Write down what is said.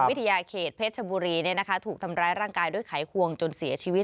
วิทยาเขตเพชรชบุรีถูกทำร้ายร่างกายด้วยไขควงจนเสียชีวิต